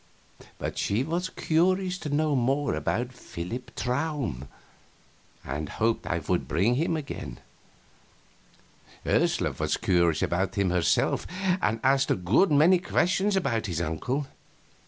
But she was curious to know more about Philip Traum, and hoped I would bring him again. Ursula was curious about him herself, and asked a good many questions about his uncle.